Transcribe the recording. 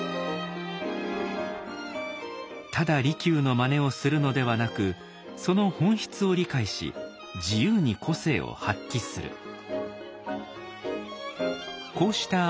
ただ利休のまねをするのではなくその本質を理解し自由に個性を発揮する。